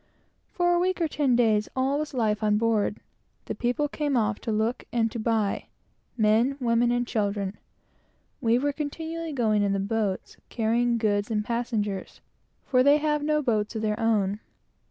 For a week or ten days all was life on board. The people came off to look and to buy men, women, and children; and we were continually going in the boats, carrying goods and passengers, for they have no boats of their own.